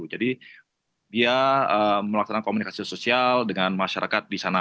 jadi dia melaksanakan komunikasi sosial dengan masyarakat di sana